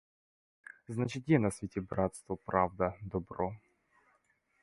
Значить, є на світі братство, правда, добро?!